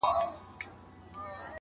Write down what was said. چاته د يار خبري ډيري ښې دي~a